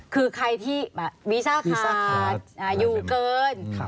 อ๋อคือใครที่วิชาคาร์ดอยู่เกิน